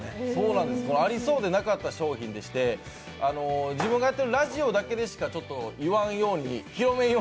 ありそうでなかった商品でして自分がやってるラジオだけでしか言わんように。